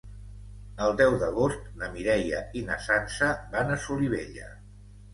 El deu d'agost na Mireia i na Sança van a Solivella.